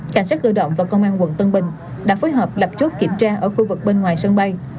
cảnh sát cơ động và công an quận tân bình đã phối hợp lập chốt kiểm tra ở khu vực bên ngoài sân bay